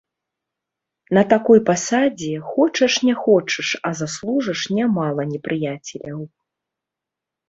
На такой пасадзе хочаш не хочаш, а заслужыш нямала непрыяцеляў.